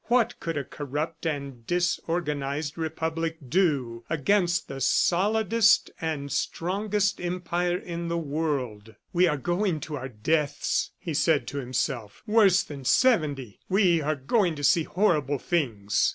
What could a corrupt and disorganized Republic do against the solidest and strongest empire in the world? ... "We are going to our deaths," he said to himself. "Worse than '70! ... We are going to see horrible things!"